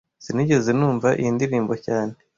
Sinigeze numva iyi ndirimbo cyane